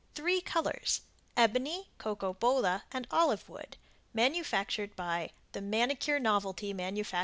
3 colors: Ebony, Cocobola and Olive wood. Manufactured by The Manicure Novelty Mfg.